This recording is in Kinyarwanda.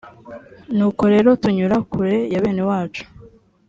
nuko rero tunyura kure ya bene wacu